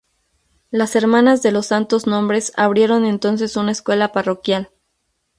Las Hermanas de los Santos Nombres abrieron entonces una escuela parroquial.